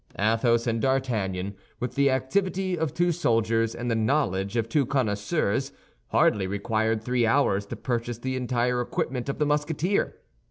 Athos and D'Artagnan, with the activity of two soldiers and the knowledge of two connoisseurs, hardly required three hours to purchase the entire equipment of the Musketeer.